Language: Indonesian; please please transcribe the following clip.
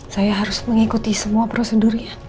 saya harus mengikuti semua prosedurnya